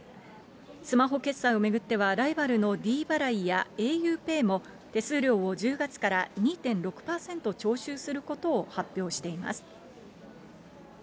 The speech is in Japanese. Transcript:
スマホ決済を巡っては、ライバルのｄ払いやａｕペイも、手数料を１０月から２．６％徴収することを発表しています。